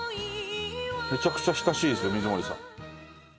めちゃくちゃ親しいんですよ水森さん。